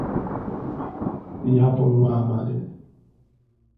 Ya bụ nwa amadi